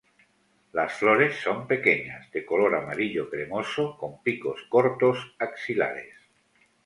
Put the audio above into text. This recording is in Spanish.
Las flores son pequeñas, de color amarillo cremoso, con picos cortos axilares.